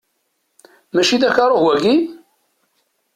Mačči d karuh, wagi?